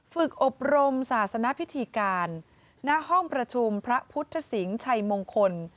ฝึกอบรมศาสนพิธีการณห้องประชุมพระพุทธสิงห์ชัยมงคล